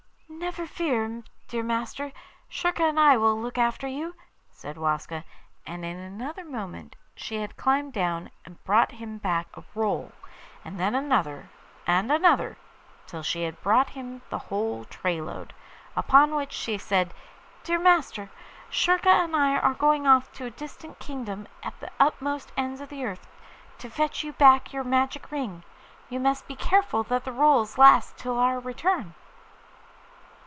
'Never fear, dear master. Schurka and I will look after you,' said Waska. And in another moment she had climbed down and brought him back a roll, and then another, and another, till she had brought him the whole tray load. Upon which she said: 'Dear master, Schurka and I are going off to a distant kingdom at the utmost ends of the earth to fetch you back your magic ring. You must be careful that the rolls last till our return.